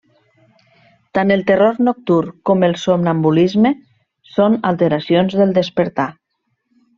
Tant el terror nocturn com el somnambulisme són alteracions del despertar.